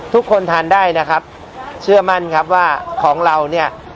ทุกคนทานได้นะครับเชื่อมั่นครับว่าของเราเนี่ย